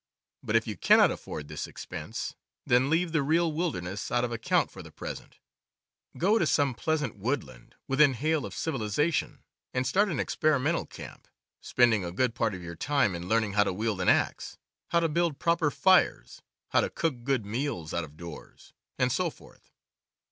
But if you cannot afford this expense, then leave the real wil derness out of account for the present; go to some pleasant woodland, within hail of civilization, and start an experimental camp, spending a good part of your time in learning how to wield an axe, how to build proper fires, how to cook good meals out of doors, and so forth.